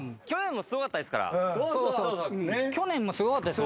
去年もすごかったです。